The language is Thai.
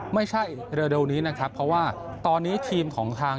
ไม่ใช่เร็วนี้นะครับเพราะว่าตอนนี้ทีมของทาง